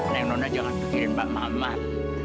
neng nona jangan pikirin pak maman